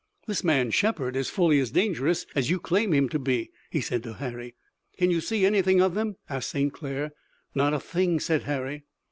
"This man, Shepard, is fully as dangerous as you claim him to be," he said to Harry. "Can you see anything of them?" asked St. Clair. "Not a thing," said Harry.